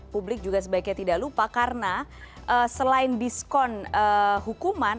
publik juga sebaiknya tidak lupa karena selain diskon hukuman